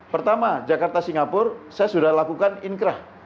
pertama jakarta singapura saya sudah lakukan inkrah